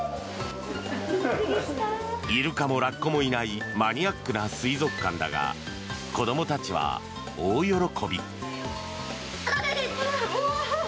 イルカもラッコもいないマニアックな水族館だが子どもたちは大喜び。